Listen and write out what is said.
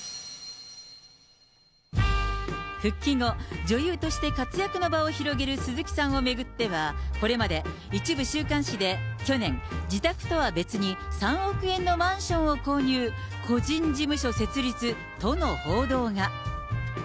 復帰後、女優として活躍の場を広げる鈴木さんを巡っては、これまで一部週刊誌で、去年、自宅とは別に、３億円のマンションを購入、個人事務所設立との報道が。